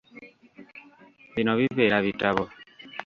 Bino bibeera bitabo.